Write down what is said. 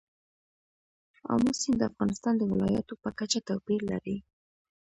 آمو سیند د افغانستان د ولایاتو په کچه توپیر لري.